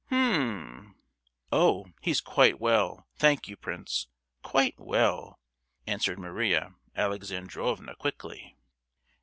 "H'm!" "Oh, he's quite well, thank you, prince, quite well," answered Maria Alexandrovna quickly.